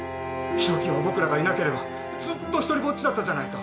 博喜は僕らがいなければずっと独りぼっちだったじゃないか。